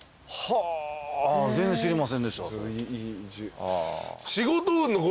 はぁ全然知りませんでしたわ。